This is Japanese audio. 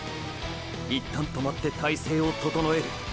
一旦止まって態勢を整える。